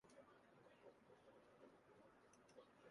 কিন্তু এই কি জবাব হইল।